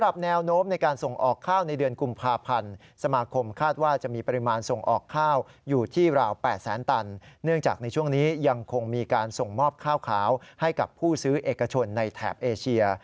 เป็นที่ต่อมาให้การช่องข้าวขาวให้กับผู้ซื้อเอกชนในแถบเอเชีย